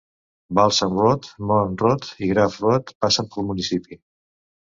Balsam Road, Moen Road i Graff Road passen pel municipi.